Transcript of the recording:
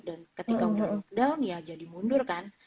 dan ketika mudah mudahan ya jadi mundur kan